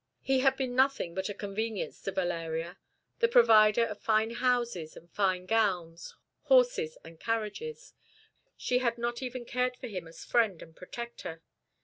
He had been nothing but a convenience to Valeria, the provider of fine houses and fine gowns, horses and carriages. She had not even cared for him as friend and protector.